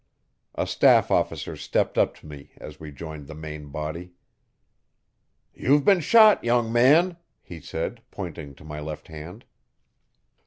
A staff officer stepped up to me as we joined the main body. 'You ve been shot, young man,' he said, pointing to my left hand.